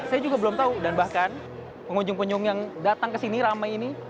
saya juga belum tahu dan bahkan pengunjung punyung yang datang kesini rame ini